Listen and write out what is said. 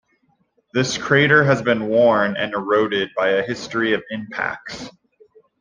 This crater has been worn and eroded by a history of impacts.